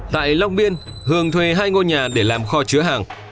tại long biên hường thuê hai ngôi nhà để làm kho chứa hàng